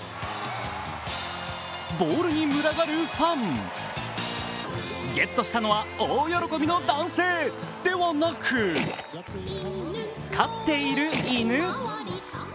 ボールに群がるファンゲットしたのは、大喜びの男性ではなく飼っている犬。